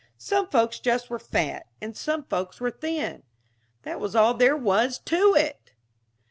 Some folks just were fat, and some folks were thin. That was all there was to it!